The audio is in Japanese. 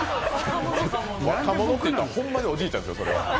若者って言ったらほんまにおじいちゃんですよ。